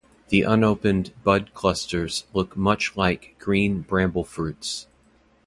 The unopened bud clusters look much like green bramble fruits.